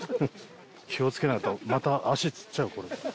気を付けないとまた足つっちゃうこれ。